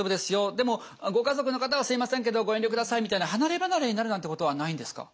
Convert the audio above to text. でもご家族の方はすいませんけどご遠慮くださいみたいな離れ離れになるなんてことはないんですか？